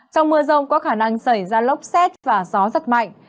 trong mưa rông có khả năng xảy ra lốc xét và gió giật mạnh